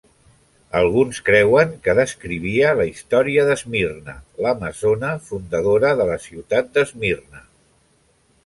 Alguns creuen que descrivia la història d'Esmirna, l'amazona fundadora de la ciutat d'Esmirna.